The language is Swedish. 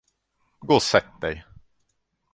Gå och sätt dig!